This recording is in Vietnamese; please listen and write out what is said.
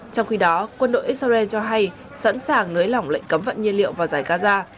trong khi đó quân đội israel cho hay sẵn sàng nới lỏng lệnh cấm vận nhiên liệu vào giải gaza